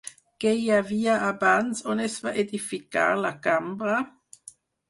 Què hi havia abans on es va edificar la cambra?